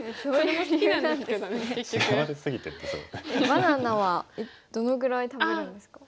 バナナはどのぐらい食べるんですか？